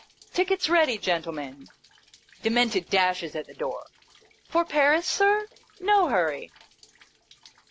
" Tickets ready, gentlemen !" Demented dashes at the door. " For Paris, Sir ? No hurry."